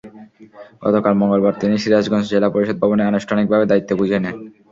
গতকাল মঙ্গলবার তিনি সিরাজগঞ্জ জেলা পরিষদ ভবনে আনুষ্ঠানিকভাবে দায়িত্ব বুঝে নেন।